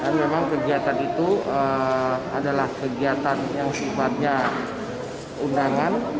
dan memang kegiatan itu adalah kegiatan yang sifatnya undangan